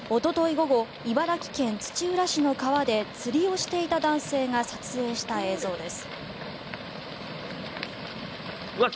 午後茨城県土浦市の川で釣りをしていた男性が撮影した映像です。